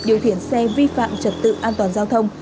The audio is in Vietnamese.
điều khiển xe vi phạm trật tự an toàn giao thông